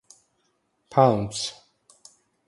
Lbs.